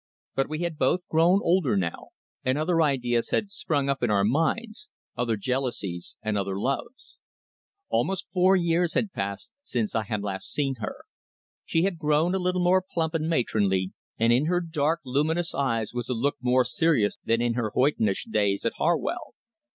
But we had both grown older now, and other ideas had sprung up in our minds, other jealousies and other loves. Almost four whole years had passed since I had last seen her. She had grown a little more plump and matronly, and in her dark, luminous eyes was a look more serious than in her old hoydenish days at Harwell.